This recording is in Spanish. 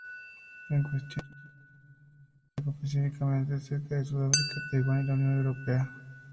En cuestiones internacionales, está especialmente cerca de Sudáfrica, Taiwán y la Unión Europea.